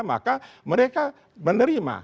maka mereka menerima